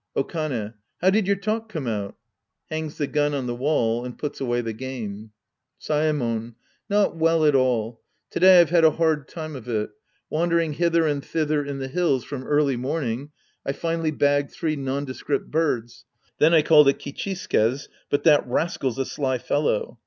Okane. How did your talk come out ? {Hangs the gun on the wall andyuts away the game.) Saemon. Not well at all. To day I've had a hard time of it. Wandering hither and thither in the hills from early morning, I finally bagged three nonde script birds. Then I called at Kichisuke's, but that rascal's a sly fellow.